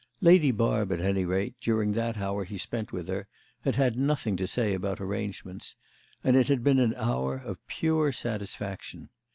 Lady Barb, at any rate, during that hour he spent with her, had had nothing to say about arrangements; and it had been an hour of pure satisfaction.